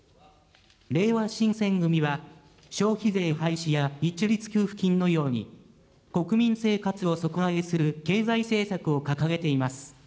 れいわ新選組は、消費税廃止や一律給付金のように、国民生活を底上げする経済政策を掲げています。